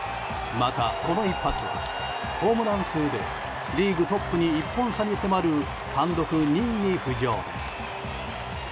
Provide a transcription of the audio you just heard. また、この一発はホームラン数でリーグトップに１本差に迫る単独２位に浮上です。